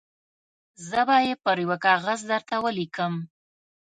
زه به یې پر یوه کاغذ درته ولیکم.